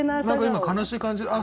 何か今悲しい感じ